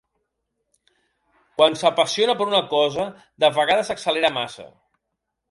Quan s'apassiona per una cosa de vegades s'accelera massa.